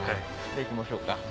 行きましょうか。